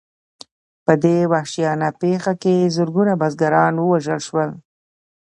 په دې وحشیانه پېښه کې زرګونه بزګران ووژل شول.